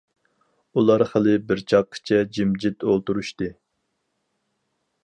ئۇلار خىلى بىر چاغقىچە جىمجىت ئولتۇرۇشتى.